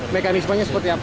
mekanismenya seperti apa